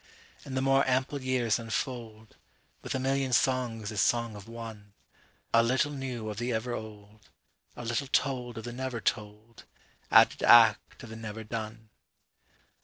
48And the more ample years unfold49(With a million songs as song of one)50A little new of the ever old,51A little told of the never told,52Added act of the never done.